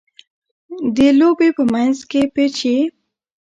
د لوبي په منځ کښي پېچ يي.